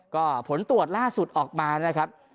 ก็ผลตรวจล่าสุดออกมานะครับ